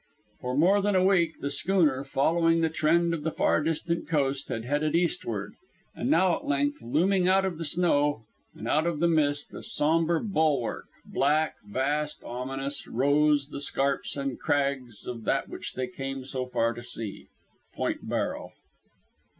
For more than a week the schooner, following the trend of the far distant coast, had headed eastward, and now at length, looming out of the snow and out of the mist, a somber bulwark, black, vast, ominous, rose the scarps and crags of that which they came so far to see Point Barrow.